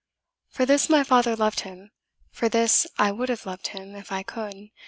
For this my father loved him; for this I would have loved him if I could.